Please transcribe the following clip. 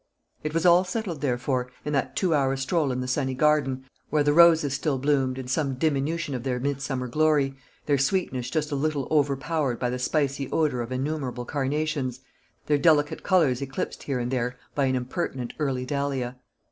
It was all settled, therefore, in that two hours' stroll in the sunny garden, where the roses still bloomed, in some diminution of their midsummer glory, their sweetness just a little over powered by the spicy odour of innumerable carnations, their delicate colours eclipsed here and there by an impertinent early dahlia.